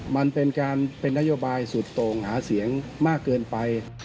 มันเป็นการเป็นนโยบายสุดโต่งหาเสียงมากเกินไป